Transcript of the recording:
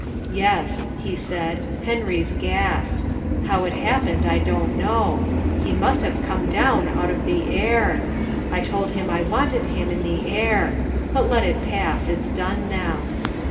"Yes," he said, "Henry's gassed. How it happened I don't know. He must have come down out of the air. I told him I wanted him in the air. But let it pass. It's done now."